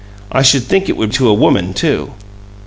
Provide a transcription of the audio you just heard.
I should think it would to a woman, too."